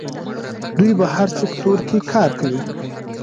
دوی په هر سکتور کې کار کوي.